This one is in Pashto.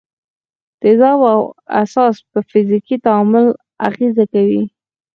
تیزاب او اساس په فزیکي تعامل اغېزه کوي.